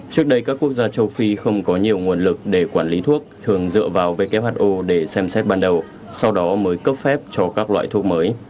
trước đây các quốc gia châu phi không có nhiều nguồn lực để quản lý thuốc thường dựa vào who để xem xét ban đầu sau đó mới cấp phép cho các loại thuốc mới